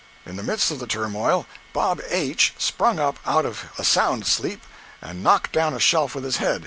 In the midst of the turmoil, Bob H——sprung up out of a sound sleep, and knocked down a shelf with his head.